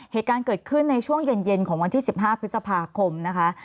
เหตุการณ์เกิดขึ้นในช่วงเย็นของวันที่๑๕พฤษภาคมนะคะ